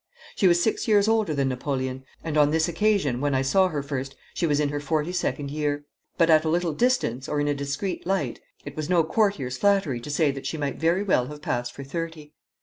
She was six years older than Napoleon, and on this occasion, when I saw her first, she was in her forty second year; but at a little distance or in a discreet light, it was no courtier's flattery to say that she might very well have passed for thirty.